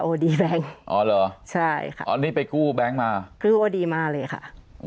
ดีแบงค์อ๋อเหรอใช่ค่ะอ๋อนี่ไปกู้แบงค์มากู้โอดีมาเลยค่ะ